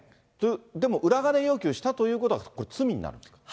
でも裏金要求したということは、これ、罪になるんですか？